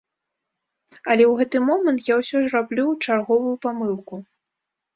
Але ў гэты момант я ўсё ж раблю чарговую памылку.